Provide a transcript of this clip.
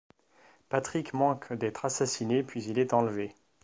Patrick manque d'être assassiné puis il est enlevé.